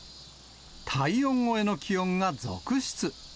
体温超えの気温が続出。